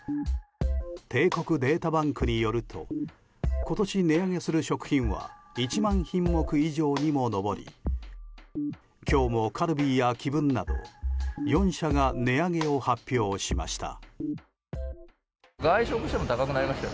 帝国データバンクによると今年、値上げする食品は１万品目以上にも上り今日もカルビーや紀文など４社が値上げを発表しました。